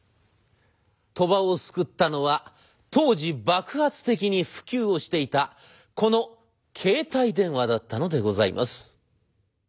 鳥羽を救ったのは当時爆発的に普及をしていたこの携帯電話だったのでございます。